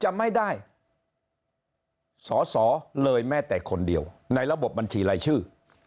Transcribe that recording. จะไม่ได้สอสอเลยแม้แต่คนเดียวในระบบบัญชีรายชื่อ